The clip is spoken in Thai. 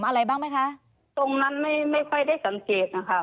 อะไรบ้างไหมคะตรงนั้นไม่ไม่ค่อยได้สังเกตนะคะ